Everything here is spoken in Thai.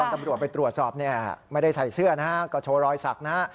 ตอนตำรวจไปตรวจสอบไม่ได้ใส่เสื้อก็โชว์รอยสักนะ